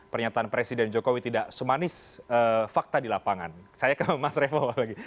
pernyataan presiden jokowi tidak semanis fakta di lapangan saya ke mas revo lagi